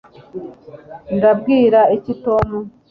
ndabwira iki tom